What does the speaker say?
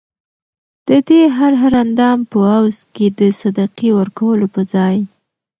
ددي هر هر اندام په عوض کي د صدقې ورکولو په ځای